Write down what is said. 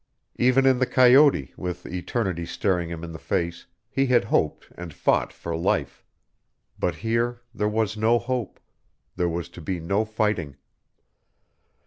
Ever in the coyote, with eternity staring him in the face, he had hoped and fought for life. But here there was no hope, there was to be no fighting.